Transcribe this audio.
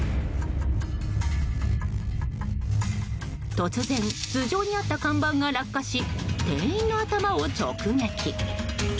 突然、頭上にあった看板が落下し店員の頭を直撃。